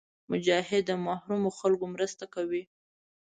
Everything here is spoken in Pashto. مجاهد د محرومو خلکو مرسته کوي.